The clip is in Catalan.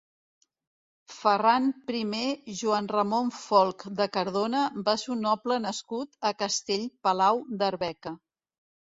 Ferran primer Joan Ramon Folc de Cardona va ser un noble nascut a Castell Palau d'Arbeca.